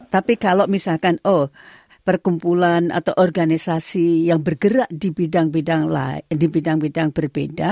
tapi kalau misalkan oh perkumpulan atau organisasi yang bergerak di bidang bidang berbeda